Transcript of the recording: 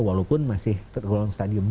walaupun masih tergelolong stadium dua